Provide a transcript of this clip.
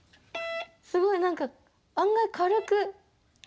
すごい、なんか案外軽く。